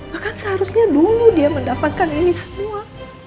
bahkan seharusnya dulu dia mendapatkan ini semua